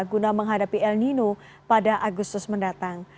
guna menghadapi el nino pada agustus mendatang